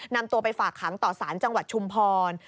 นำตัวไปฝากขังต่อสารจังหวัดชุมพร